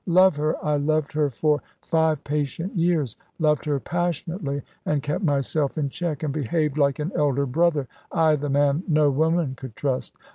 Love her! I loved her for five patient years, loved her passionately, and kept myself in check, and behaved like an elder brother. I, the man no woman could trust.